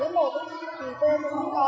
không có học cho học trước